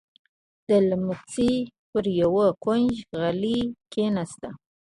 د ليمڅي پر يوه کونج غلې کېناسته.